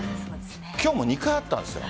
今日も２回あったんですよ。